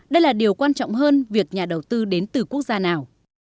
đây là điều quan trọng hơn việc nhà đầu tư đến từ quốc gia nào